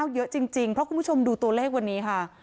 เยอะจริงเพราะคุณผู้ชมดูตัวเลขวันนี้ค่ะ